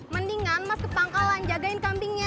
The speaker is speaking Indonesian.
mendingan masuk ke pangkalan jagain kambingnya